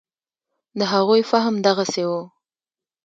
د هغوی فهم دغسې و.